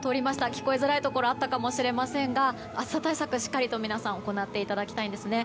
聞こえづらいところがあったかもしれませんが暑さ対策、しっかりと皆さん行っていただきたいです。